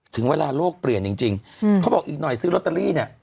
ถึงเวลาโลกเปลี่ยนจริงเขาบอกอีกหน่อยซื้อลอตเตอรี่เนี่ย